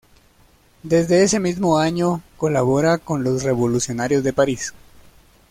Desde ese mismo año colabora con los revolucionarios de París.